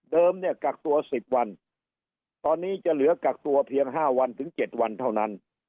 เนี่ยกักตัว๑๐วันตอนนี้จะเหลือกักตัวเพียง๕วันถึง๗วันเท่านั้น